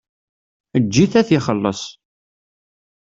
Eǧǧ-it ad t-ixelleṣ.